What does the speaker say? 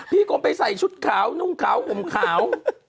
พี่กงไปใส่ชุดขาวนุ่งขาวมุมขาว